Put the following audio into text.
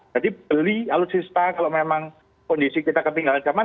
jadi beli alutsista kalau memang kondisi kita ketinggalan zaman